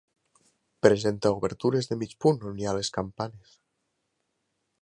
Presenta obertures de mig punt on hi ha les campanes.